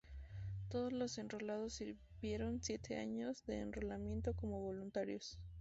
Todos los enrolados sirvieron siete años de enrolamiento como voluntarios.